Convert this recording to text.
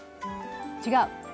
違う？